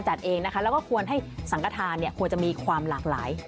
จัดเองนะคะแล้วก็ควรให้สังกฐานเนี่ยควรจะมีความหลากหลาย